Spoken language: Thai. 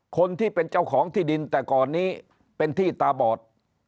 คนที่เป็นเจ้าของที่ดินแต่ก่อนนี้เป็นที่ตาบอด